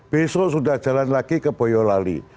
besok sudah jalan lagi ke boyolali